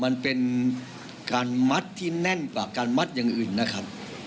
มันเป็นการมัดที่แน่นกว่าการมัดอย่างอื่นนะครับ